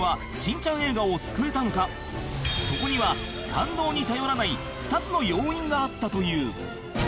そこには感動に頼らない２つの要因があったという